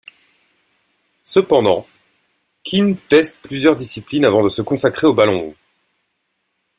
Cependant, Keane teste plusieurs disciplines avant de se consacrer au ballon rond.